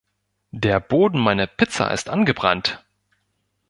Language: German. Der Boden meiner Pizza ist angebrannt!